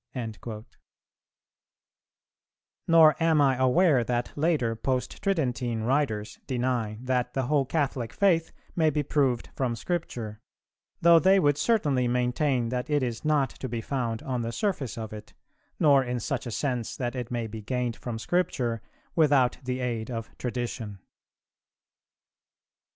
'"[342:2] Nor am I aware that later Post tridentine writers deny that the whole Catholic faith may be proved from Scripture, though they would certainly maintain that it is not to be found on the surface of it, nor in such sense that it may be gained from Scripture without the aid of Tradition.